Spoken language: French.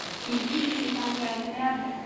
Il dit que c’est un lieu agréable.